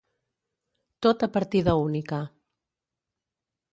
Tot a partida única.